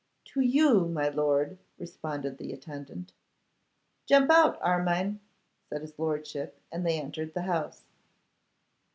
'To you, my lord,' responded the attendant. 'Jump out, Armine,' said his lordship; and they entered the house.